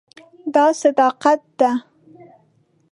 دا صداقت ده.